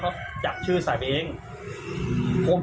ก็จับชื่อสาบเอง